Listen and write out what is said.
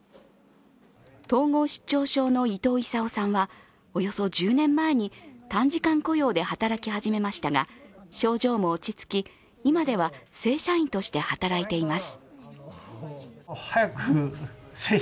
統合失調症の伊藤勇男さんはおよそ１０年前に短時間雇用で働き始めましたが症状も落ち着き今では正社員として働いています。